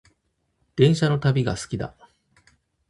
電車の旅が好きだ